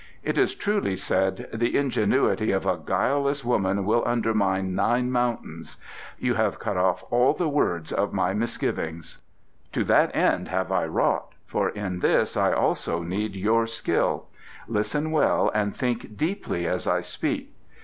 "It is truly said: 'The ingenuity of a guileless woman will undermine nine mountains.' You have cut off all the words of my misgivings." "To that end have I wrought, for in this I also need your skill. Listen well and think deeply as I speak.